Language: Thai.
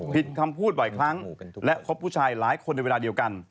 ผิดคำพูดบ่อยครั้งและพบผู้ชายหลายคนในเวลาเดียวกัน